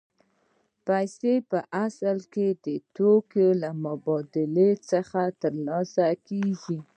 پیسې په اصل کې د توکو له مبادلې څخه ترلاسه کېږي